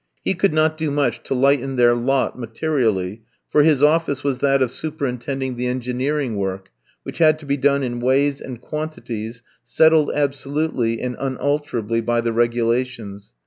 He could not do much to lighten their lot materially, for his office was that of superintending the engineering work, which had to be done in ways and quantities, settled absolutely and unalterably by the regulations.